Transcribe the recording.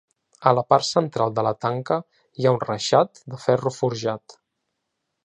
A la part central de la tanca hi ha un reixat de ferro forjat.